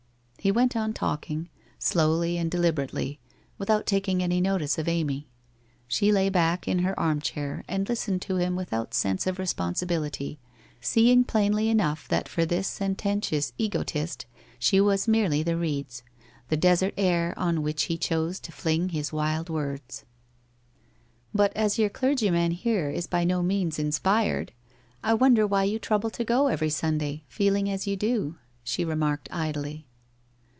He went on talking, slowly and deliberately, without taking any notice of Amy. She lay back in her arm chair and listened to him without sense of responsibility, Beeing plainly enough that for this sententious egotist she was merely the reels, the desert air on which he chose to fling hifl wild words. 64 WHITE ROSE OP WEARY LEAF I But as your clergyman here is by no means inspired, I wonder why you trouble to go every Sunday, feeling as you do? ' she remarked idly.